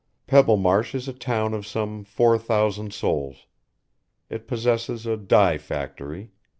Pebblemarsh is a town of some four thousand souls. It possesses a dye factory.